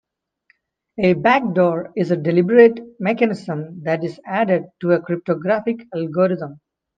A backdoor is a deliberate mechanism that is added to a cryptographic algorithm.